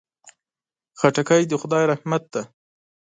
خټکی د خدای رحمت دی.